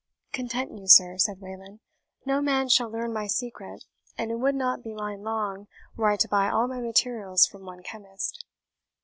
"Content you, sir," said Wayland. "No man shall learn my secret; and it would not be mine long, were I to buy all my materials from one chemist."